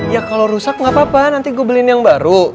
ya kalo rusak gapapa nanti gue beliin yang baru